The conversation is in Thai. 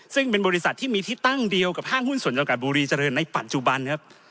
ซึ่งเป็นบริษัทที่มีที่ตั้งเดียวกับห้างหุ้นส่วนจำกัดบุรีเจริญในปัจจุบันครับ